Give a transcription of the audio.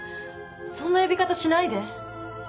そんな呼び方しないで。